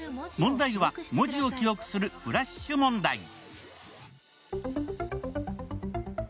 問題は文字を記憶するフラッシュ問題。